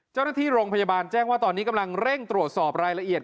เจ้าหน้าที่โรงพยาบาลแจ้งว่าตอนนี้กำลังเร่งตรวจสอบรายละเอียด